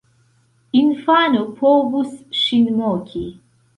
Infano povus ŝin moki.